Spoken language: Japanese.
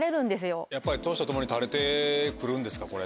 やっぱり年とともに垂れて来るんですか？